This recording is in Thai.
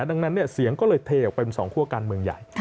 ดังนั้นเสียงก็เลยเทออกไปเป็นสองคั่วการเมืองใหญ่